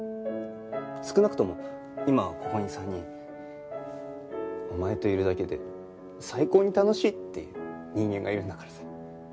少なくとも今ここに３人お前といるだけで最高に楽しいっていう人間がいるんだからさ。